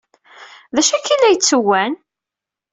D acu akka ay la yettewwan?